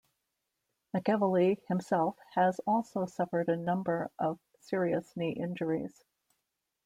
McEveley himself has also suffered a number of serious knee injuries.